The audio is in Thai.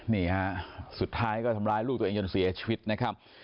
นี่ฮะสุดท้ายก็ทำร้ายลูกตัวเองจนเสียชีวิตนะครับ